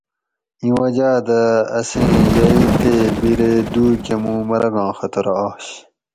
اِیں وجاۤ دہ اسیں یئی تے بِرے دُوئی کہ مُو مرگاں خطرہ آش